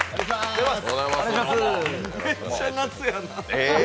めっちゃ夏やな。